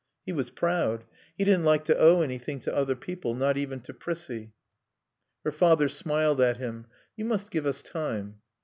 He was proud. He didn't like to owe anything to other people, not even to Prissie. Her father smiled at him. "You must give us time."